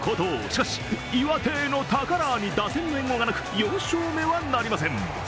しかし、岩手の宝に打線の援護がなく、４勝目はなりません。